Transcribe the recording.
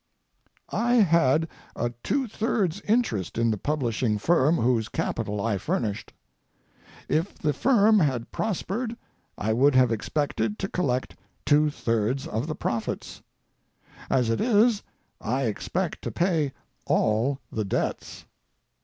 "I had a two thirds interest in the publishing firm whose capital I furnished. If the firm had prospered I would have expected to collect two thirds of the profits. As it is, I expect to pay all the debts.